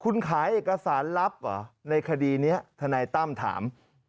คุณขายเอกสารลับเหรอในคดีนี้ทนายตั้มถาม